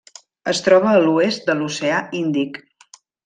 Es troba a l'oest de l'Oceà Índic.